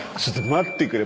待ってくれ。